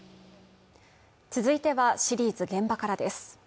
続いてはシリーズ「現場から」です